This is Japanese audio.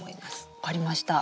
分かりました。